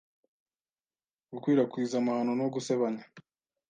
Gukwirakwiza amahano no gusebanya